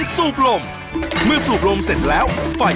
สูบลมสูบรักครับ